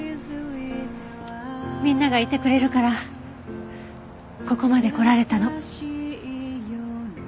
みんながいてくれるからここまで来られたの。